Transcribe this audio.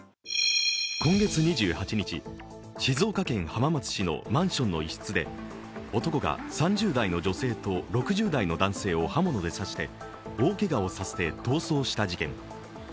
今月２８日、静岡県浜松市のマンションの一室で、男が３０代の女性と６０代の男性を刃物で刺して、大けがをさせて逃走した事件。